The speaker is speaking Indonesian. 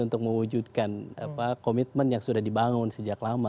untuk mewujudkan komitmen yang sudah dibangun sejak lama